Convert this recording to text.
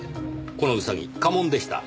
このウサギ家紋でした。